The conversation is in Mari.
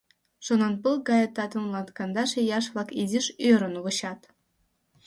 Шонанпыл гае татым латкандаш ияш-влак изиш ӧрын вучат.